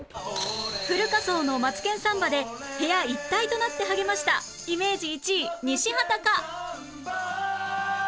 フル仮装の『マツケンサンバ』で部屋一体となって励ましたイメージ１位西畑か？